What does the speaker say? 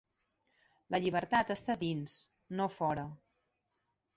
La llibertat està dins, no fora.